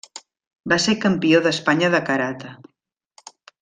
Va ser campió d'Espanya de karate.